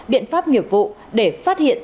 biện pháp nghiệp vụ để phát hiện